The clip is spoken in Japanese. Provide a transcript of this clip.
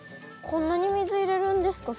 こんなに水入れるんですか？